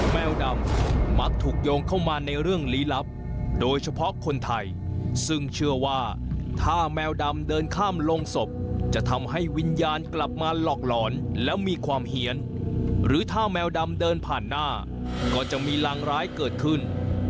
แมวดำมักถูกโยงเข้ามาในเรื่องลี้ลับโดยเฉพาะคนไทยซึ่งเชื่อว่าถ้าแมวดำเดินข้ามลงศพจะทำให้วิญญาณกลับมาหลอกหลอนแล้วมีความเฮียนหรือถ้าแมวดำเดินผ่านหน้าก็จะมีรังร้ายเกิดขึ้น